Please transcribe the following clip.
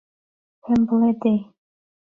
پێم بڵێ دەی